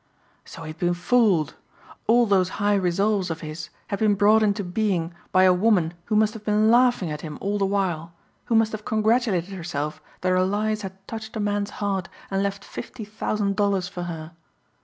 So he had been fooled! All those high resolves of his had been brought into being by a woman who must have been laughing at him all the while, who must have congratulated herself that her lies had touched a man's heart and left fifty thousand dollars for her.